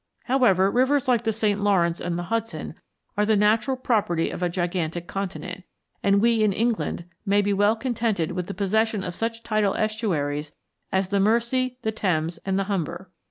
However, rivers like the St. Lawrence and the Hudson are the natural property of a gigantic continent; and we in England may be well contented with the possession of such tidal estuaries as the Mersey, the Thames, and the Humber.